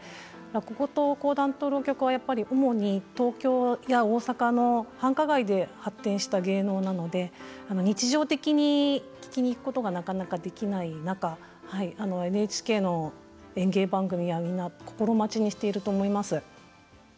落語と講談と浪曲はやっぱり主に東京や大阪の繁華街で発展した芸能なので日常的に聴きに行くことがなかなかできない中ＮＨＫの演芸番組は、みんな心待ちにしていると思います。